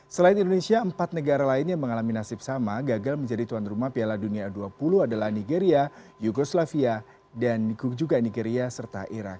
selain indonesia empat negara lain yang mengalami nasib sama gagal menjadi tuan rumah piala dunia u dua puluh adalah nigeria yugoslavia dan juga nigeria serta irak